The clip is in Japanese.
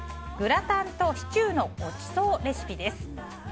グラタンとシチューのごちそうレシピです。